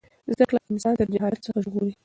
زده کړه انسان له جهالت څخه ژغوري.